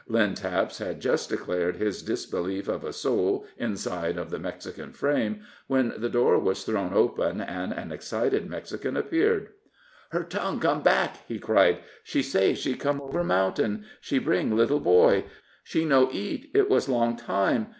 Lynn Taps had just declared his disbelief of a soul inside of the Mexican frame, when the door was thrown open and an excited Mexican appeared. "Her tongue come back!" he cried. "She say she come over mountain she bring little boy she no eat, it was long time.